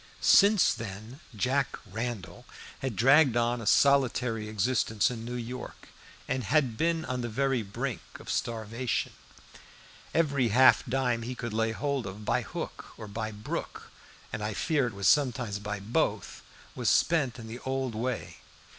Since then "Jack Randall" had dragged on a solitary existence in New York, and had been on the very brink of starvation. Every half dime he could lay hold of, by hook or by brook and I fear it was sometimes by both was spent in the old way.